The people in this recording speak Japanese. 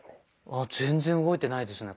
あっ全然動いてないですね